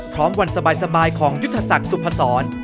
พร้อมวันสบายของยุทธศักดิ์สุพธ์สอน